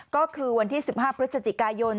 ก็คือวันที่๑๕พฤศจิกายน